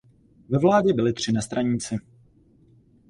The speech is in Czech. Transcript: Ve vládě byli tři nestraníci.